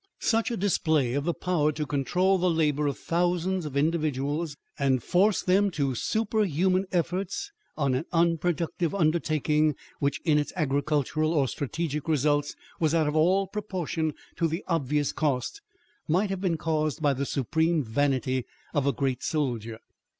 Such a display of the power to control the labor of thousands of individuals and force them to superhuman efforts on an unproductive undertaking, which in its agricultural or strategic results was out of all proportion to the obvious cost, might have been caused by the supreme vanity of a great soldier.